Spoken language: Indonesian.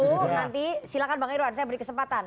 oke nanti silahkan bang irwan saya beri kesempatan